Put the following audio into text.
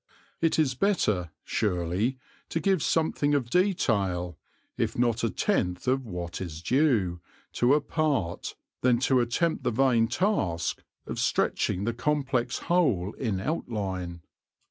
It is better, surely, to give something of detail, if not a tenth of what is due, to a part, than to attempt the vain task of stretching the complex whole in outline.